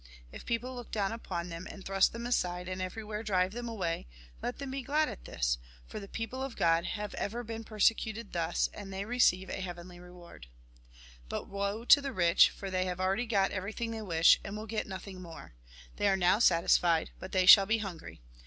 If people look down upon them, and thrust them aside and every where drive them away, let them be glad at this ; for the people of God have ever been persecuted thus, and they receive a heavenly reward. 4 5° THE GOSPEL IN BRIEF But woe to the rich, for they have already got everything they wish, and will get nothing more. They are now satisfied ; but they shall be hungry.